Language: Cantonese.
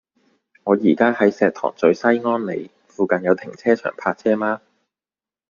我依家喺石塘咀西康里，附近有停車場泊車嗎